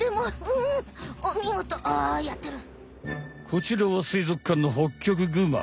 こちらは水族館のホッキョクグマ。